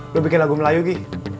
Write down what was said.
lo bikin lagu melayu gitu